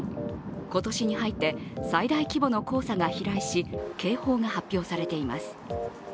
今年に入って最大規模の黄砂が飛来し、警報が発表されています。